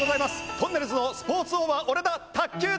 『とんねるずのスポーツ王は俺だ！』